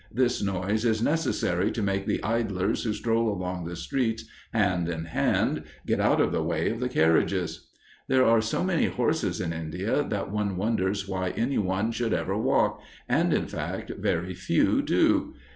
This noise is necessary to make the idlers who stroll along the streets hand in hand get out of the way of the carriages. There are so many horses in India that one wonders why any one should ever walk, and, in fact, very few do.